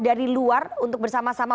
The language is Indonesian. dari luar untuk bersama sama